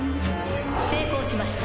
成功しました。